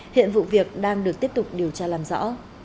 hiện vụ việc đang được tiếp tục điều tra làm rõ